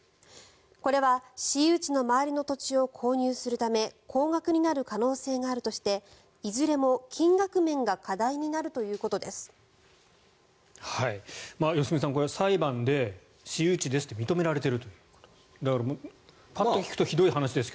これは私有地の周りの土地を購入するため高額になる可能性があるとしていずれも金額面が課題になるということです。